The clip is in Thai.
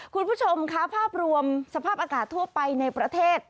คุณผู้ชมค่ะภาพรวมสภาพอากาศทั่วไปในประเทศ